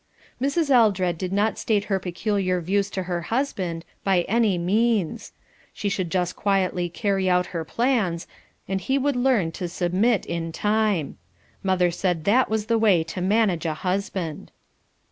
Mrs. Eldred did not state her peculiar views to her husband, by any means; she should just quietly carry out her plans, and he would learn to submit in time. Mother said that was the way to manage a husband.